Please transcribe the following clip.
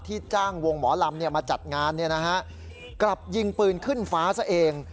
จ้างวงหมอลำมาจัดงานกลับยิงปืนขึ้นฟ้าซะเอง